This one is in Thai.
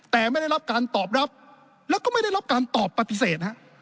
แต่ไม่ได้รับการตอบรับแล้วก็ไม่ได้รับการตอบปฏิเสธ